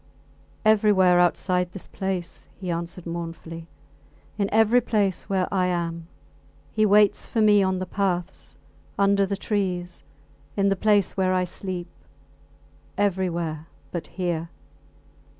Everywhere outside this place, he answered, mournfully. In every place where I am. He waits for me on the paths, under the trees, in the place where I sleep everywhere but here.